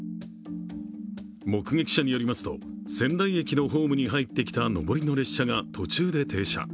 目撃者によりますと、仙台駅のホームに入ってきた上りの列車が途中で停車。